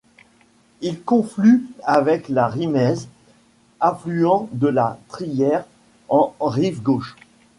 Il conflue avec la Rimeize, affluent de la Truyère en rive gauche.